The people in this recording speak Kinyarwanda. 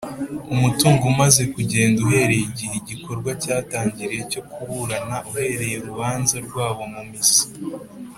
umutungo umaze kugenda uhereye igihe igikorwa cyatangiriye cyo kuburana uhereye urubanza rwabo mu mizi.